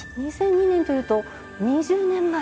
２００２年というと２０年前。